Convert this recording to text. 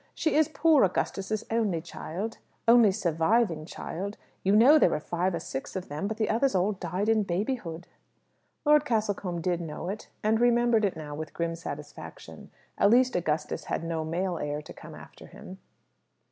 She is poor Augustus's only child only surviving child. You know there were five or six of them, but the others all died in babyhood." Lord Castlecombe did know it, and remembered it now with grim satisfaction. At least Augustus had no male heir to come after him.